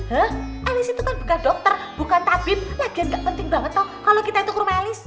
hah elis itu kan bukan dokter bukan tabib lagian gak penting banget toh kalau kita itu ke rumah elis